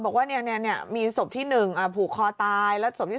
ก็ว่านี่มีศพที่หนึ่งผูกคอตายบนสิ่งที่